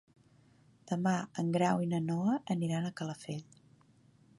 Demà en Grau i na Noa aniran a Calafell.